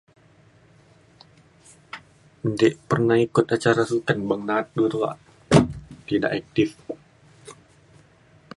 Di pernah ikut acara sukan beng ba’at du tuak tidak aktif.